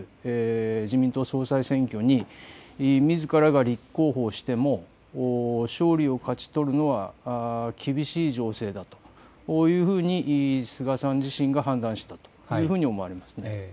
自民党総裁選挙にみずからが立候補しても勝利を勝ち取るのは厳しい情勢だというふうに菅さん自身が判断したというふうに思われます。